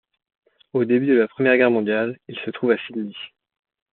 Au début de la Première Guerre mondiale, il se trouve à Sydney.